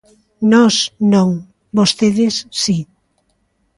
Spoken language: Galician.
Nós, non; vostedes, si.